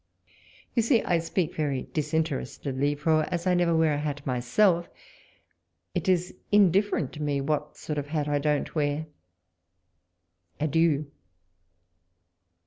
You see I speak very disinterestedly ; for, as I never wear a hat myself, it is indifferent to me what sort of hat I don't wear. Adieu